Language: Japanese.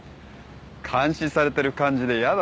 監視されてる感じで嫌だな。